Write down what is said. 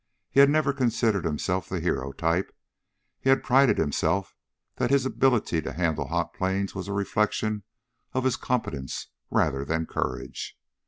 He had never considered himself the hero type. He had prided himself that his ability to handle hot planes was a reflection of his competence rather than courage.